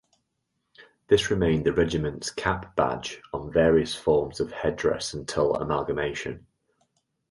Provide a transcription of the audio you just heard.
This remained the regiment's cap badge on various forms of head-dress until amalgamation.